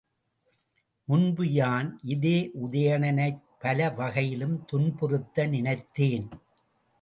முன்பு யான் இதே உதயணனைப் பல வகையிலும் துன்புறுத்த நினைத்தேன்.